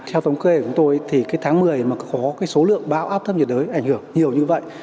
theo tổng kê của chúng tôi thì cái tháng một mươi mà có cái số lượng bão áp thấp nhiệt đới ảnh hưởng nhiều như vậy